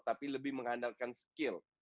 tapi lebih mengandalkan skill